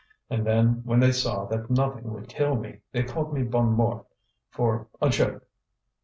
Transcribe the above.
And then, when they saw that nothing would kill me, they called me Bonnemort for a joke."